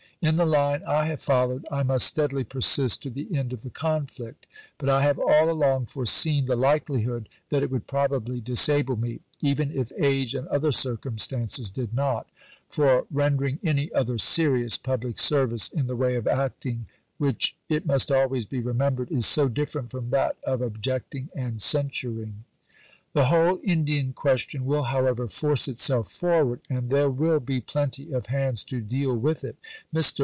In the line I have followed I must steadily persist to the end of the conflict; but I have all along foreseen the likelihood that it would probably disable me, even if age and other circumstances did not, for rendering any other serious public service in the way of acting, which, it must always be remembered, is so different from that of objecting and censuring.... The whole Indian question will, however, force itself forward, and there will be plenty of hands to deal with it. Mr.